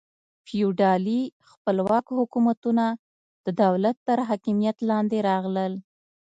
فیوډالي خپلواک حکومتونه د دولت تر حاکمیت لاندې راغلل.